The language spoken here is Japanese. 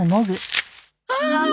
ああ！